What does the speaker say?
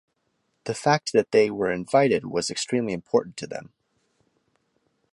The fact that they were invited was extremely important to them.